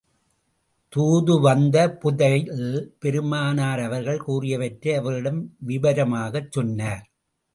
தூது வந்த புதைல், பெருமானார் அவர்கள் கூறியவற்றை அவர்களிடம் விவரமாகச் சொன்னார்.